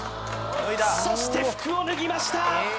そして服を脱ぎました